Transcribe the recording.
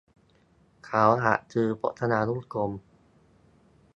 เขาอยากซื้อพจนานุกรม